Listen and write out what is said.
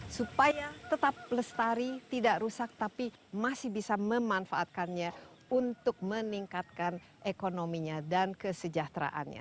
supaya tetap lestari tidak rusak tapi masih bisa memanfaatkannya untuk meningkatkan ekonominya dan kesejahteraannya